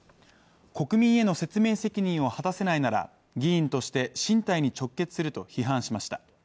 国民への説明責任を果たせないなら、議員として進退に直結すると批判しました。